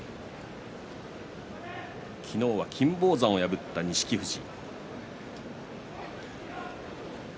昨日は金峰山を破った錦富士。